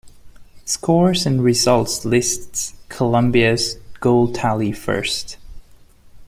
Scores and results lists Colombia's goal tally first.